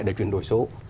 để chuyển đổi số